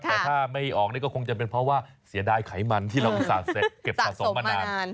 แต่ถ้าไม่ออกนี่ก็คงจะเป็นเพราะว่าเสียดายไขมันที่เราอุตส่าห์เก็บสะสมมานาน